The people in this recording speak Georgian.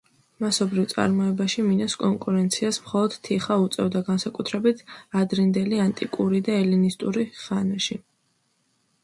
მასობრივ წარმოებაში მინას კონკურენციას მხოლოდ თიხა უწევდა, განსაკუთრებით ადრინდელი ანტიკური და ელინისტურ ხანაში.